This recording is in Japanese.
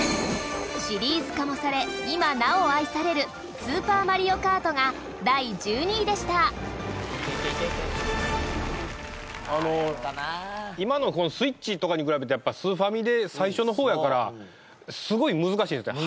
シリーズ化もされ今なお愛される『スーパーマリオカート』が第１２位でした今のＳｗｉｔｃｈとかに比べてスーファミで最初の方やからすごい難しいですね。